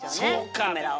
カメラを。